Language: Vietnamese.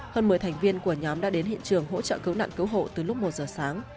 hơn một mươi thành viên của nhóm đã đến hiện trường hỗ trợ cứu nạn cứu hộ từ lúc một giờ sáng